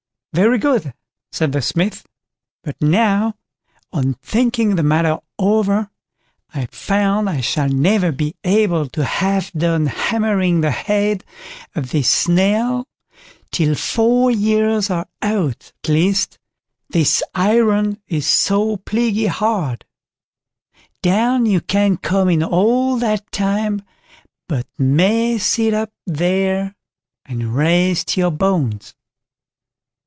"Very good", said the Smith; "but now, on thinking the matter over, I find I shall never be able to have done hammering the head of this nail till four years are out at least, this iron is so plaguey hard; down you can't come in all that time, but may sit up there and rest your bones."